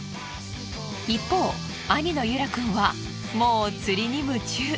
一方兄のユラくんはもう釣りに夢中。